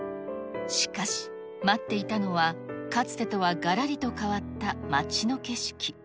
しかし、待っていたのは、かつてとはがらりと変わった町の景色。